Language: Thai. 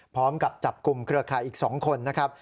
พร้อมกับจับกลุ่มเครือข่ายอีก๒คนนะครับ